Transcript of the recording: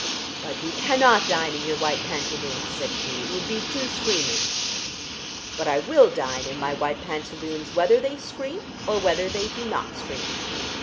"But you cannot dine in your white pantaloons," said she. "It would be too screaming!" "But I will dine in my white pantaloons, whether they scream, or whether they do not scream.